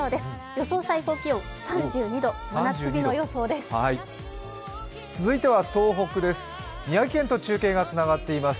予想最高気温、３２度、真夏日の予想です。